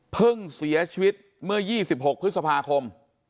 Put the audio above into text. เพิ่งเสียชีวิตเมื่อยี่สิบหกพฤษภาคม